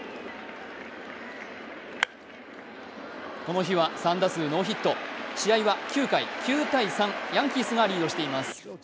この日は３打数ノーヒット。試合は９回９−３ヤンキースがリードしています。